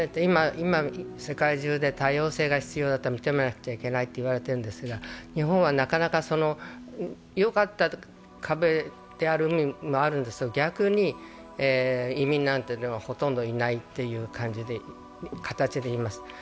今世界中で多様性が必要だと、認めなくちゃいけないと言われているんですが、日本はなかなか、よかった壁である面もあるんですが、逆に移民なんてほとんどいないという形でいます。